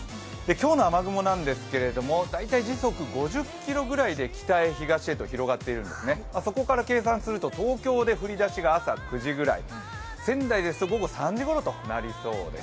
今日の雨雲なんですけれども、時速５０キロぐらいで北へ東へと広がっているんですね、そこから計算すると東京で降り出しが朝９時ぐらい、仙台ですと午後３時ごろとなりそうです。